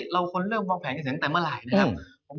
คนเริ่มวางแผนเกษียณตั้งแต่เมื่อไหร่นะครับ